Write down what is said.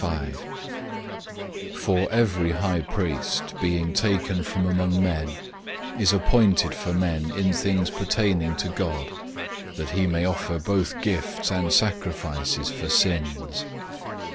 005:001 For every high priest, being taken from among men, is appointed for men in things pertaining to God, that he may offer both gifts and sacrifices for sins.